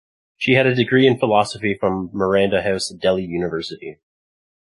She has a degree in philosophy from Miranda House, Delhi University.